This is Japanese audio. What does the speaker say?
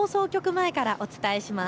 前からお伝えします。